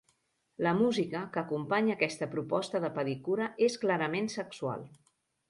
La música que acompanya aquesta proposta de pedicura és clarament sexual.